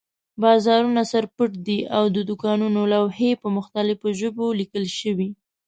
بازارونه سر پټ دي او د دوکانونو لوحې په مختلفو ژبو لیکل شوي.